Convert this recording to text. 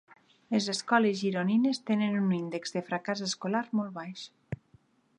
Les escoles gironines tenen un índex de fracàs escolar molt baix